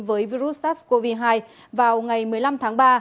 với virus sars cov hai vào ngày một mươi năm tháng ba